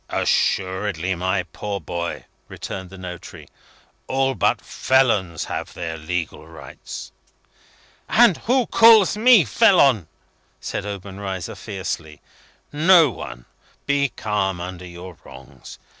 "Assuredly, my poor boy," returned the notary. "All but felons have their legal rights." "And who calls me felon?" said Obenreizer, fiercely. "No one. Be calm under your wrongs.